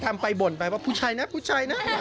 ทำไปบ่นไปว่าผู้ชายนะ